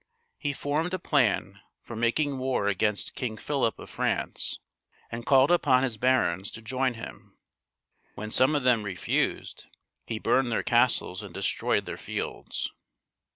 He formed a plan for making war against King Philip of France, and called upon his barons to join him. When some of them refused, he burned their castles and destroyed their fields.